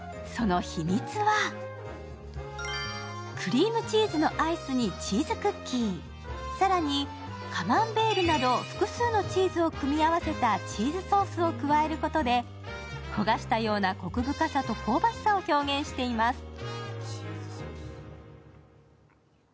その秘密はクリームチーズのアイスにチーズクッキー、更にカマンベールなど複数のチーズを組み合わせたチーズソースを加えることで焦がしたようなこく深さと香ばしさを表現しています。